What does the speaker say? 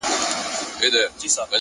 ذهن د تجربې له لارې وده کوي,